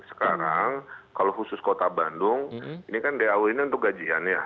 sekarang kalau khusus kota bandung ini kan daw ini untuk gajian ya